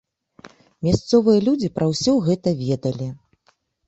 Мясцовыя людзі пра ўсё гэта ведалі.